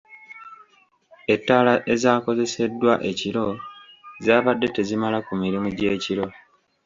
Ettaala ezaakozeseddwa ekiro zaabadde tezimala ku mirimu gy'ekiro.